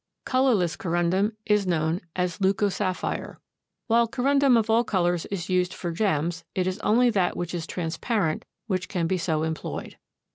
Colorless Corundum is known as leucosapphire. While Corundum of all colors is used for gems, it is only that which is transparent which can be so employed.